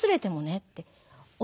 って。